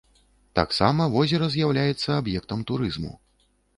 Таксама возера з'яўляецца аб'ектам турызму.